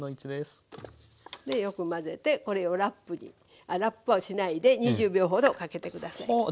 でよく混ぜてこれをラップにラップはしないで２０秒ほどかけてください。